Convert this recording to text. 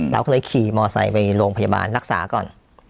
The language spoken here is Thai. เราก็เลยขี่มอไซค์ไปโรงพยาบาลรักษาก่อน